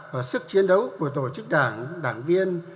và sức chiến đấu của tổ chức đảng đảng viên